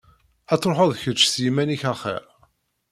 Ad truḥeḍ kečč s yiman-ik axir.